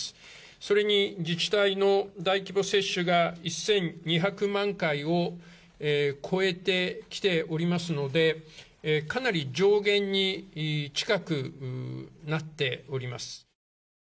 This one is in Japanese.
それに自治体の大規模接種が１２００万回を超えてきておりますのでかなり上限に近くなっております。